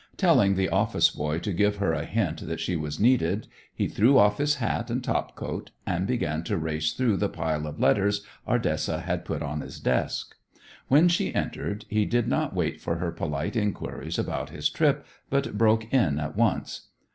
Telling the office boy to give her a hint that she was needed, he threw off his hat and topcoat and began to race through the pile of letters Ardessa had put on his desk. When she entered, he did not wait for her polite inquiries about his trip, but broke in at once.